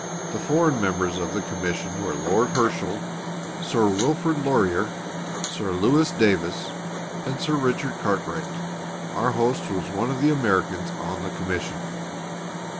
The foreign members of the Commission were Lord Herschel, Sir Wilfred Laurier, Sir Louis Davis, and Sir Richard Cartwright. Our host was one of the Americans on the Commission.